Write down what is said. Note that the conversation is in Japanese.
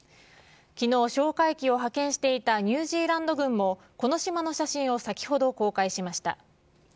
きのう、哨戒機を派遣していたニュージーランド軍もこの島の写真を先ほど公開しました。